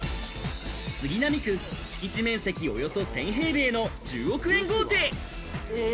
杉並区、敷地面積およそ１０００平米の１０億円豪邸。